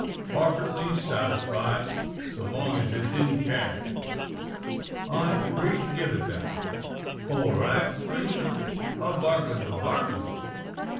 "Parfitly satisfied so long's it's in cash." "I agree to give it then." "All right, strenger! a bargain's a bargain.